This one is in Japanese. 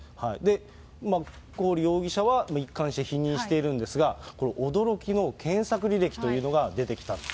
コーリ容疑者は一貫して否認しているんですが、これ、驚きの検索履歴というのが出てきたんです。